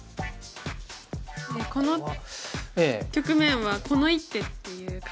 この局面は「この一手」っていう感じで。